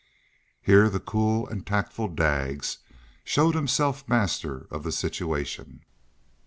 Here the cool and tactful Daggs showed himself master of the situation.